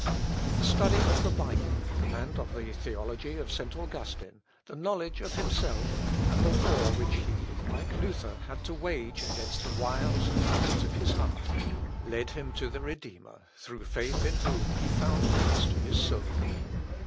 The study of the Bible, and of the theology of St. Augustine, the knowledge of himself, and the war which he, like Luther, had to wage against the wiles and lusts of his heart, led him to the Redeemer, through faith in whom he found peace to his soul.